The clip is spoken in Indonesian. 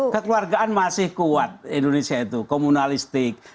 kekeluargaan masih kuat indonesia itu komunalistik